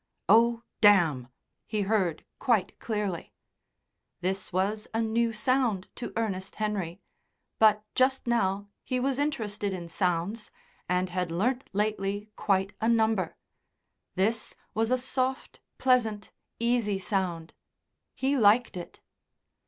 "Oh, damn!" he heard quite clearly. This was a new sound to Ernest Henry; but just now he was interested in sounds, and had learnt lately quite a number. This was a soft, pleasant, easy sound. He liked it.